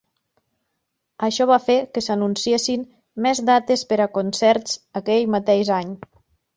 Això va fer que s'anunciessin més dates per a concerts aquell mateix any.